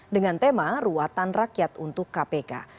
dengan tema ruatan rakyat untuk kpk